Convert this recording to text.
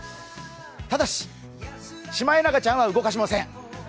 ただし、シマエナガちゃんは動かしません！